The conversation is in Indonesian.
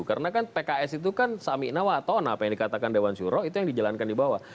karena kan pks itu kan sami nawatona apa yang dikatakan dewan syurok itu yang dijalankan di bawah